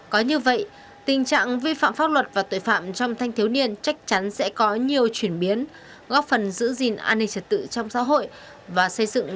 có như vậy tình trạng vi phạm pháp luật và tội phạm trong thanh thiếu niên chắc chắn sẽ có nhiều chuyển biến góp phần giữ gìn an ninh trật tự trong xã hội và xây dựng